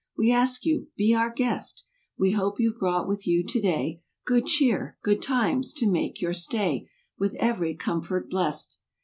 We ask you—"Be our guest!" We hope you've brought with you today "Good cheer," "Good times," to make your stay With every comfort blest.